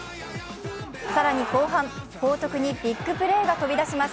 更に後半、報徳にビッグプレーが飛び出します。